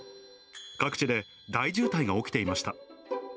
各地で大渋滞が起きていました。